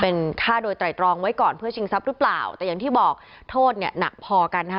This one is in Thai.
เป็นฆ่าโดยไตรตรองไว้ก่อนเพื่อชิงทรัพย์หรือเปล่าแต่อย่างที่บอกโทษเนี่ยหนักพอกันนะคะ